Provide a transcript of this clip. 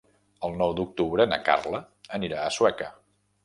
El nou d'octubre na Carla anirà a Sueca.